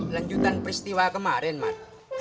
lanjutan peristiwa kemarin mas